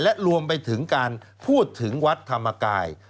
และรวมไปถึงการพูดถึงวัดธรรมกาย